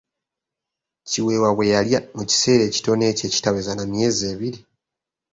Kiweewa bwe yalya, mu kiseera ekitono ekyo ekitaaweza na myezi ebiri.